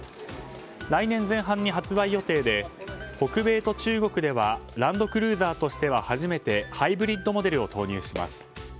来年前半に発売予定で北米と中国ではランドクルーザーとしては初めてハイブリッドモデルを投入します。